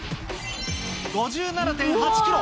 ５７．８キロ。